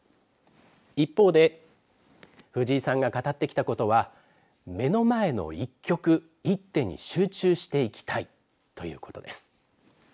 一方で、藤井さんが語ってきたことは目の前の一局一手に集中していきたいということです。